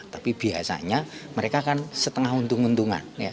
tapi biasanya mereka kan setengah untung untungan